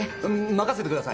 任せてください。